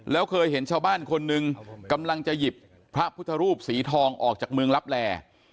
แล้วเคยเห็นชาวบ้านคนหนึ่งกำลังจะหยิบพระพุทธรูปสีทองออกจากเมืองลับแล